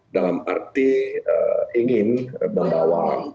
dalam arti ingin berbawah